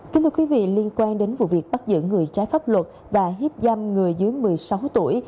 kính thưa quý vị liên quan đến vụ việc bắt giữ người trái pháp luật và hiếp dâm người dưới một mươi sáu tuổi